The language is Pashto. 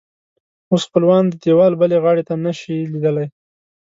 اوس خپلوان د دیوال بلې غاړې ته نه شي لیدلی.